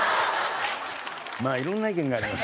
まあいろんな意見があります。